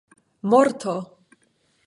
morto